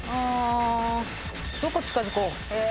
どこ近づこう？え。